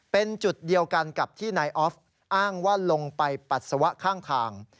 เป็นจุดเดียวกันกับที่นายออฟอ้างว่าลงไปปัสสาวะข้างทาง